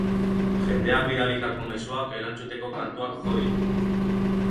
Jendeak bidalitako mezuak erantzuteko kantuak jo ditu.